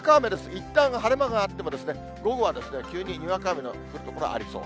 いったん、晴れ間があっても、午後は急ににわか雨の降る所ありそう。